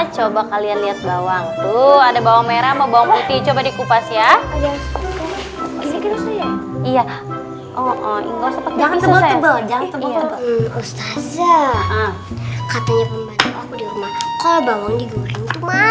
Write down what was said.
coba kalian lihat bawang tuh ada bawang merah mau bonggol itu coba dikupas ya iya oh iya